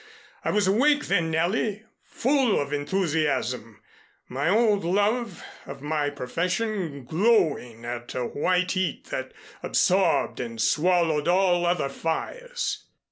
I was awake then, Nellie, full of enthusiasm, my old love of my profession glowing at a white heat that absorbed and swallowed all other fires.